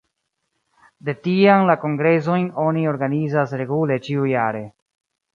De tiam la kongresojn oni organizas regule ĉiujare.